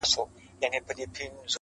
• په محبت کي يې بيا دومره پيسې وغوښتلې,